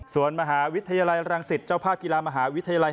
ส่วนมหาวิทยาลัยรังสิตเจ้าภาพกีฬามหาวิทยาลัย